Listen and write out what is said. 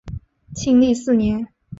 庆历四年。